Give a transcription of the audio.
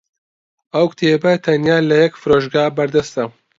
ئەو کتێبە تەنیا لە یەک فرۆشگا بەردەستە.